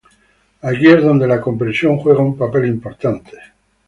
Aquí es donde la comprensión juega un papel importante.